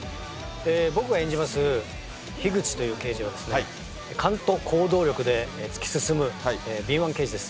僕が演じます樋口という刑事は、勘と行動力で突き進む敏腕刑事です。